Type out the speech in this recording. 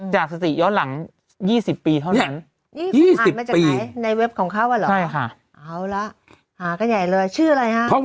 จากสติย้อนหลัง๒๐ปีเท่านั้น